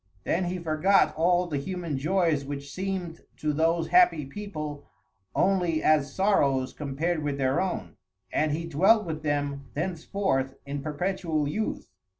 Then he forgot all the human joys which seemed to those happy people only as sorrows compared with their own; and he dwelt with them thenceforward in perpetual youth.